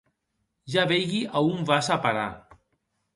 Ja veigui a on vas a parar.